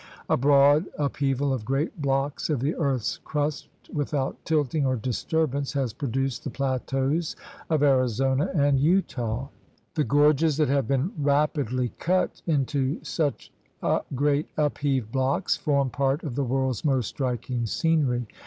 A broad upheaval of great blocks of the earth's crust without tilting or disturbance has produced the plateaus of Arizona and Utah. The gorges that GEOGRAPHIC PROVINCES 77 have been rapidh' cut into such great upheaved blocks form part of the world's most striking scenery.